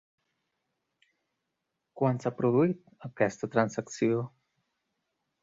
Quan s'ha produït aquesta transacció?